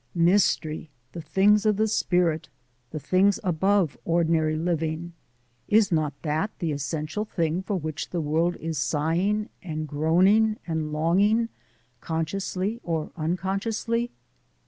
Mystery the things of the spirit, the things above ordinary living is not that the essential thing for which the world is sighing, and groaning, and longing consciously, or unconsciously?"